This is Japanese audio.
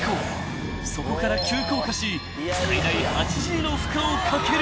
［そこから急降下し最大８Ｇの負荷をかける］